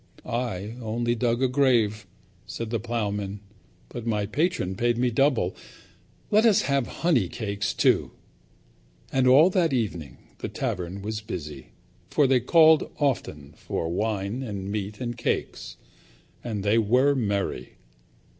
"I only dug a grave," said the ploughman, "but my patron paid me double. Let us have honey cakes too." And all that evening the tavern was busy, for they called often for wine and meat and cakes. And they were merry.